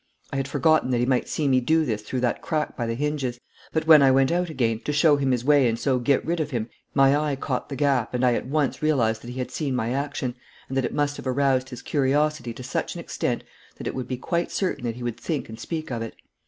I had forgotten that he might see me do this through that crack by the hinges, but when I went out again, to show him his way and so get rid of him, my eye caught the gap, and I at once realised that he had seen my action, and that it must have aroused his curiosity to such an extent that it would be quite certain that he would think and speak of it.